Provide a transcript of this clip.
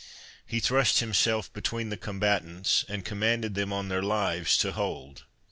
He thrust himself between the combatants, and commanded them on their lives to hold.